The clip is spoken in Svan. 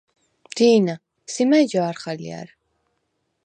დი̄ნა, სი მა̈ჲ ჯა̄რხ ალჲა̈რ?